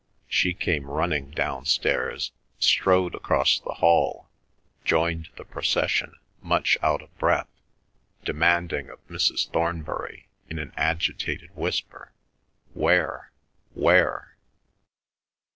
She came running downstairs, strode across the hall, joined the procession much out of breath, demanding of Mrs. Thornbury in an agitated whisper, "Where, where?"